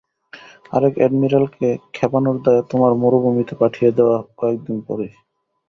আরেক এডমিরালকে খেপানোর দায়ে তোমায় মরুভূমিতে পাঠিয়ে দেয়ার কয়েকদিন পরই।